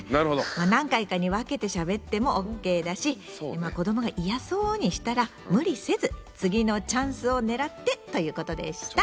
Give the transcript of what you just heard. まあ何回かに分けてしゃべってもＯＫだし子どもが嫌そうにしたら無理せず次のチャンスを狙って！ということでした。